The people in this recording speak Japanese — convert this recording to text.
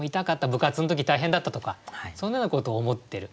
部活の時大変だったとかそんなようなことを思ってる。